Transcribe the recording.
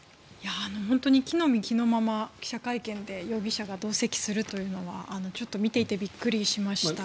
本当に着の身着のまま記者会見で、容疑者が同席するというのはちょっと見ていてびっくりしました。